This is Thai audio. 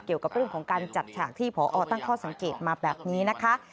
เกี่ยวกับเรื่องของการจัดฉากที่พอตั้งข้อสังเกตมาแบบนี้นะคะ